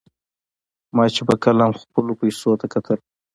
ما چې به کله هم خپلو پیسو ته کتل.